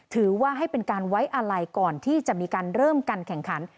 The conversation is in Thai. ถือว่าเป็นการไว้อะไรก่อนที่จะมีการเริ่มการแข่งขัน